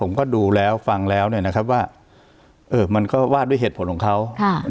ผมก็ดูแล้วฟังแล้วเนี่ยนะครับว่าเออมันก็ว่าด้วยเหตุผลของเขา